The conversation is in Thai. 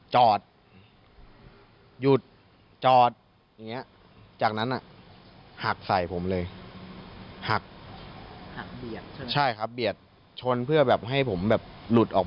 จอดหยุดจอดอย่างเงี้ย